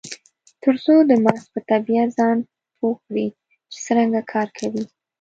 ترڅو د مغز په طبیعت ځان پوه کړي چې څرنګه کار کوي.